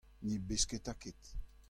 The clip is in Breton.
ne besketa ket.